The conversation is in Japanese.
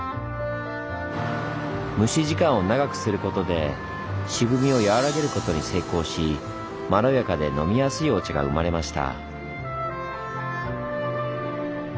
蒸し時間を長くすることで渋みを和らげることに成功しまろやかで飲みやすいお茶が生まれました。